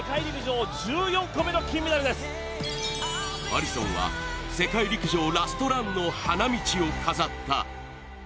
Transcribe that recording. アリソンは世界陸上ラストランの花道を飾った。